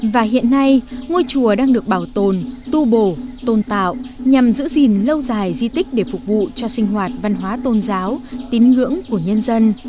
và hiện nay ngôi chùa đang được bảo tồn tu bổ tôn tạo nhằm giữ gìn lâu dài di tích để phục vụ cho sinh hoạt văn hóa tôn giáo tín ngưỡng của nhân dân